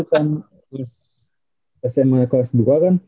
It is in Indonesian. kan sma kelas dua kan